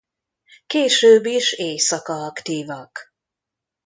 Később is éjszaka aktívak.